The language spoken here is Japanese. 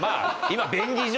今。